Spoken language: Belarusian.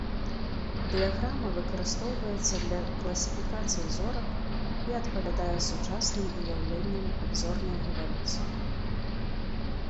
Дыяграма выкарыстоўваецца для класіфікацыі зорак і адпавядае сучасным уяўленням аб зорнай эвалюцыі.